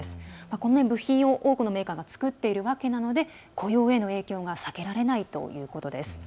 この部品を多くのメーカーが作っているわけなので雇用への影響が避けられないということです。